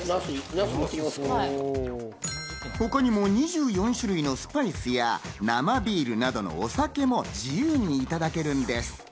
他にも２４種類のスパイスや生ビールなどのお酒も自由にいただけるんです。